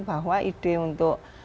bahwa ide untuk